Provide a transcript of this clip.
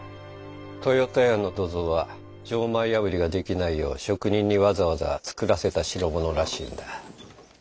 豊田屋の土蔵は錠前破りができないよう職人にわざわざ作らせた代物らしいんだ。